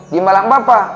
di malam apa